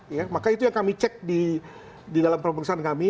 ya maka itu yang kami cek di dalam pemeriksaan kami